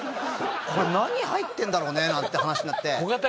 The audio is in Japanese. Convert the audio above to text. これ何入ってんだろうねなんて話になって。